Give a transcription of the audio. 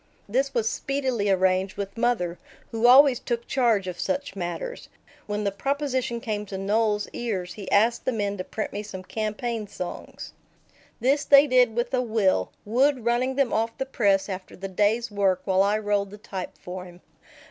This was speedily arranged with mother, who always took charge of such matters. When the proposition came to Noel's ears, he asked the men to print me some campaign songs. This they did with a will, Wood running them off the press after the day's work while I rolled the type for him.